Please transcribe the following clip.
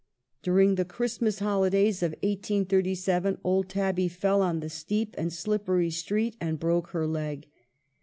During the Christmas holidays of 1837, old Tabby fell on the steep and slippery street and broke her leg.